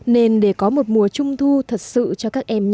nên để có một mùa trung thu thật sự cho các em nhỏ